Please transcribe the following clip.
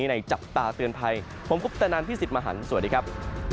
คืนนี้ในจับตาเตือนไพรผมกุ๊บตนันที่สิทธิ์มหันฯสวัสดีครับ